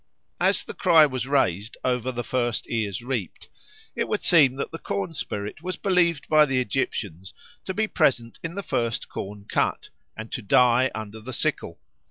As the cry was raised over the first ears reaped, it would seem that the corn spirit was believed by the Egyptians to be present in the first corn cut and to die under the sickle.